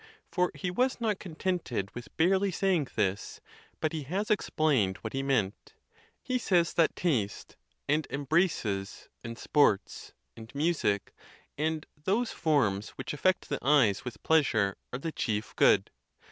For he was not contented with barely saying this, but he has explained what he meant: he says that taste, and embraces, and sports, and music, and those forms which affect the eyes with pleasure, are the chief good.